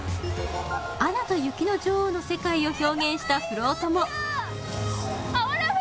「アナと雪の女王」の世界を表現したフロートもあオラフ！